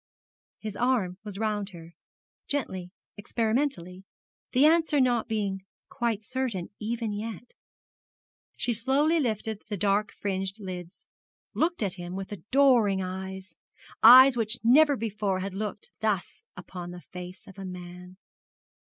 His arm was round her, gently, experimentally, the answer not being quite certain, even yet. She slowly lifted the dark fringed lids, looked at him with adoring eyes eyes which never before had looked thus upon the face of man.